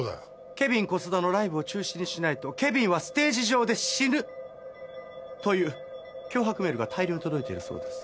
「ケビン小須田のライブを中止にしないとケビンはステージ上で死ぬ」という脅迫メールが大量に届いているそうです。